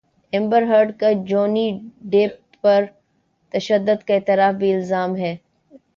امبر Heard کا Johnny Depp پر تشدد کا اعتراف بھی الزام بھی